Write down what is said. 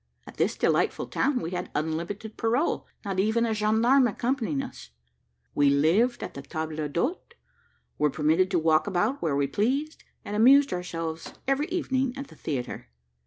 At this delightful town we had unlimited parole, not even a gendarme accompanying us. We lived at the table d'hote, were permitted to walk about where we pleased, and amused ourselves every evening at the theatre.